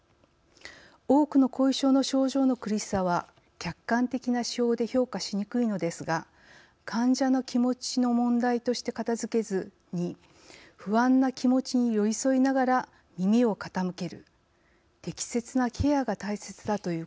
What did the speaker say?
多くの後遺症の症状の苦しさは客観的な指標で評価しにくいのですが患者の気持ちの問題として片づけずに不安な気持ちに寄り添いながら耳を傾ける適切なケアが大切だということです。